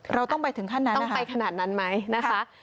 เราต้องไปถึงขนาดนั้นต้องไปขนาดนั้นไหมนะคะ